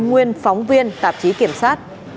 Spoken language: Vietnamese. nguyên phóng viên tạp chí kiểm sát